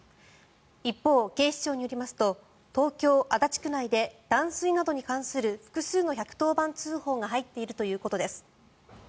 一方、警視庁によりますと東京・足立区内で断水などに関する複数の１１０番通報が入っているということです。